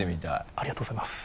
ありがとうございます。